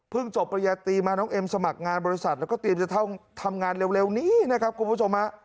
จบปริญญาตรีมาน้องเอ็มสมัครงานบริษัทแล้วก็เตรียมจะเข้าทำงานเร็วนี้นะครับคุณผู้ชมฮะ